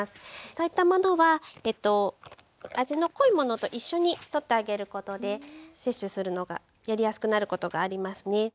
そういったものは味の濃いものと一緒にとってあげることで摂取するのがやりやすくなることがありますね。